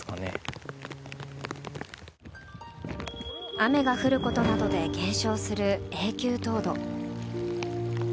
雨が降ることなどで減少する永久凍土。